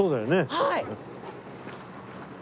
はい。